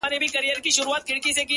كلي كي ملا سومه ـچي ستا سومه ـ